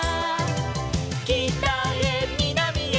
「きたへみなみへ」